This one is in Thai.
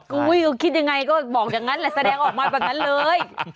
ก็คิดยังไงก็บอกอย่างนั้นแหละแสดงออกมาแบบนั้นเลย